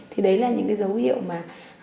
thì đấy là những dấu hiệu mà